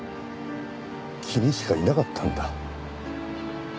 君しかいなかったんだ。